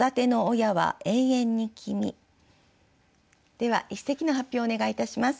では一席の発表をお願いいたします。